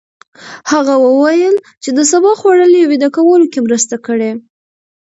هغه وویل چې د سبو خوړل يې ویده کولو کې مرسته کړې.